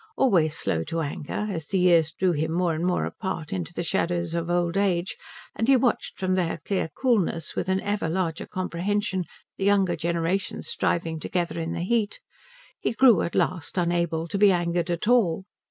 Always slow to anger, as the years drew him more and more apart into the shadows of old age and he watched from their clear coolness with an ever larger comprehension the younger generations striving together in the heat, he grew at last unable to be angered at all.